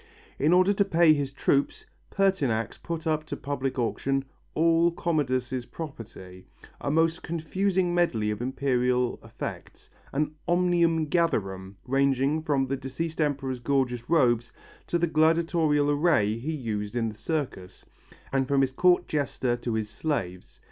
In order to pay his troops, Pertinax put up to public auction all Commodus' property, a most confused medley of imperial effects, an omnium gatherum ranging from the deceased emperor's gorgeous robes to the gladitorial array he used in the circus, and from his court jester to his slaves.